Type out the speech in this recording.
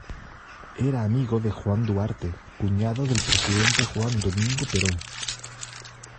Era amigo de Juan Duarte, cuñado del presidente Juan Domingo Perón.